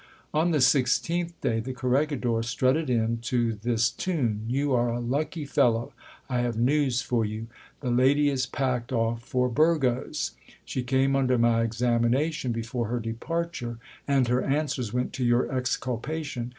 On the sixteenth day, the corregidor strutted in to this tune — You are a lucky fellow ! I have news for you. The lady is packed off for Burgos. She came under my examination before her departure, and her answers went to your exculpation.